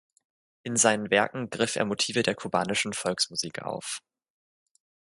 In seinen Werken griff er Motive der kubanischen Volksmusik auf.